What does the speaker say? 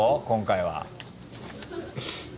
今回は。